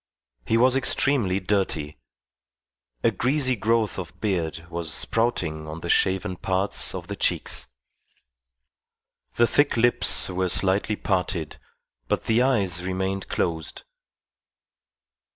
He was extremely dirty. A greasy growth of beard was sprouting on the shaven parts of the cheeks. The thick lips were slightly parted, but the eyes remained closed.